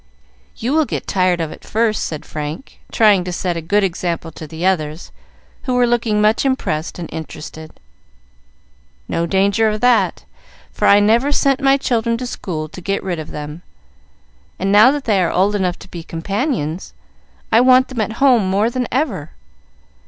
You will get tired of it first," said Frank, trying to set a good example to the others, who were looking much impressed and interested. "No danger of that, for I never sent my children to school to get rid of them, and now that they are old enough to be companions, I want them at home more than ever.